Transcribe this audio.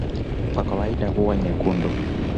kwa kawaida huwa nyekundu